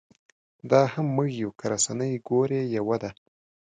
دا هم موږ یو که رسنۍ ګورې یوه ده.